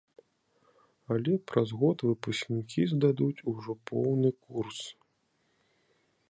Але праз год выпускнікі здадуць ужо поўны курс.